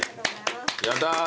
やったー！